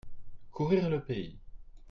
courir le pays.